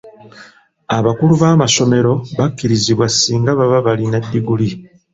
Abakulu b'amasomero bakkirizibwa singa baba balina ddiguli.